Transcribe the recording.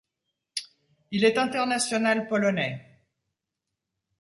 Il est international polonais.